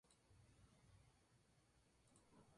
Todo el Walhalla es una gigantesca antorcha.